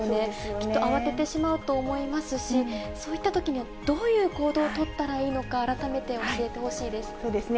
きっと慌ててしまうと思いますし、そういったときにどういう行動を取ったらいいのか、改めて教えてほしいです。